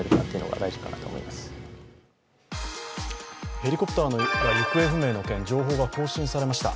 ヘリコプターが行方不明の件、情報が更新されました。